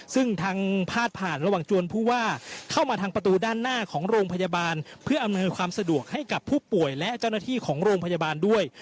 ซึ่งทางพาดผ่านระหว่างจวนผู้ว่าเข้ามาทางประตูด้านหน้าของโรงพยาบาลเพื่ออำนวยความสะดวกให้กับผู้ป่วยและเจ้าหน้าที่ของโรงพยาบาลด้วย